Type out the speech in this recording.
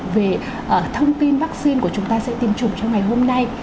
về thông tin vaccine của chúng ta sẽ tiêm chủng trong ngày hôm nay